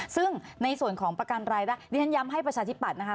ซึ่งในส่วนของประกันรายได้ดิฉันย้ำให้ประชาธิปัตย์นะคะ